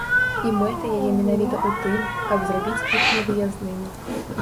І мэта яе менавіта ў тым, каб зрабіць іх невыязднымі.